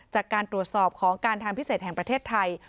จากการตรวจสอบของการทางพิเศษแห่งประเทศไทย